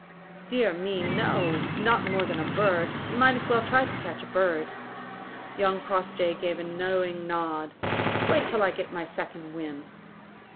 "Dear me, no; not more than a bird. You might as well try to catch a bird." Young Crossjay gave a knowing nod. "Wait till I get my second wind."